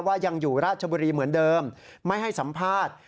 ยังอยู่ราชบุรีเหมือนเดิมไม่ให้สัมภาษณ์